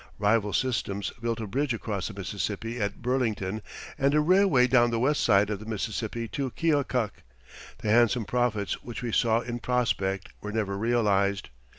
Rival systems built a bridge across the Mississippi at Burlington and a railway down the west side of the Mississippi to Keokuk. The handsome profits which we saw in prospect were never realized.